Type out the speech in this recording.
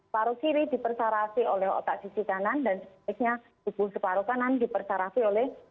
paru kiri dipersarafi oleh otak sisi kanan dan seterusnya tubuh separuh kanan dipersarafi oleh otak sisi kiri